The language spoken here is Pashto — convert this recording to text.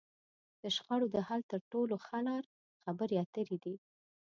د شخړو د حل تر ټولو ښه لار؛ خبرې اترې دي.